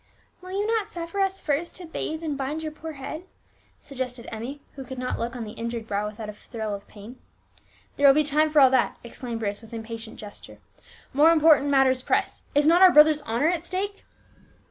"Will you not suffer us first to bathe and bind your poor head?" suggested Emmie, who could not look on the injured brow without a thrill of pain. "There will be time for all that," exclaimed Bruce with impatient gesture; "more important matters press, is not our brother's honour at stake?"